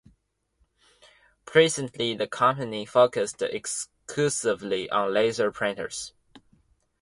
Presently the company focuses exclusively on laser printers.